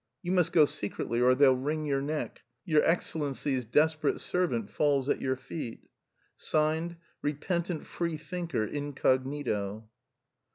You must go secretly or they'll wring your neck. Your excellency's desperate servant falls at your feet. "Repentant free thinker incognito."